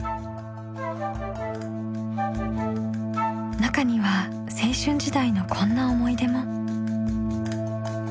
中には青春時代のこんな思い出も。